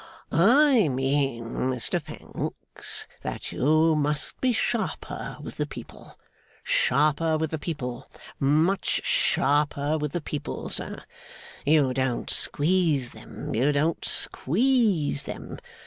'I mean, Mr Pancks, that you must be sharper with the people, sharper with the people, much sharper with the people, sir. You don't squeeze them. You don't squeeze them.